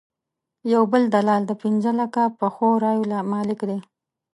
یو بل دلال د پنځه لکه پخو رایو مالک دی.